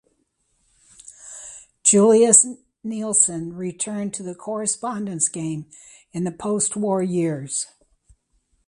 Julius Nielsen returned to the correspondence game in the postwar years.